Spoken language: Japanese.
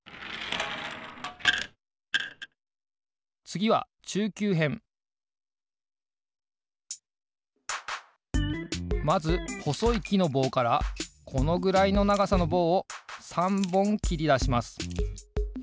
つぎはまずほそいきのぼうからこのぐらいのながさのぼうを３ぼんきりだします。